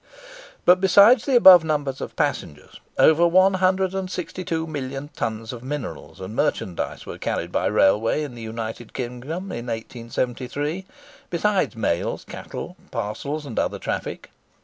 But besides the above number of passengers, over one hundred and sixty two million tons of minerals and merchandise were carried by railway in the United Kingdom in 1873, besides mails, cattle, parcels, and other traffic.